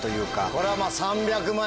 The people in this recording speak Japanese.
これは。